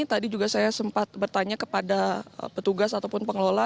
tadi juga saya sempat bertanya kepada petugas ataupun pengelola